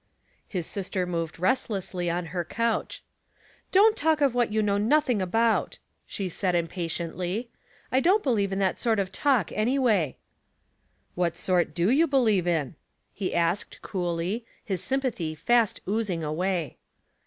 His sister moved restlessly on her couch. *' Dont talk of what you know nothing about," she said, impatiently. "I don't believe in that sort of talk, anyway." *' What sort do you believe in ?" he asked, coolly, his sympathy fast oozing away.